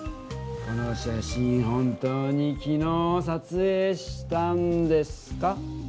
この写真本当にきのうさつえいしたんですか？